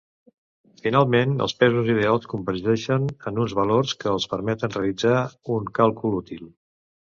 Finalment, els pesos ideals convergeixen en uns valors que els permeten realitzar un càlcul útil.